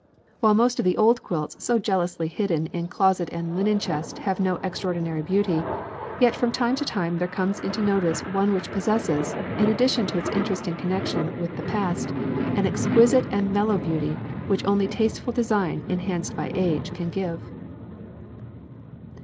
While most of the old quilts so jealously hidden in closet and linen chest have no extraordinary beauty, yet from time to time there comes into notice one which possesses in addition to its interesting connection with the past an exquisite and mellow beauty which only tasteful design enhanced by age can give.